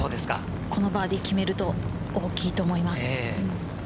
このバーディー決めると、大きいと思います。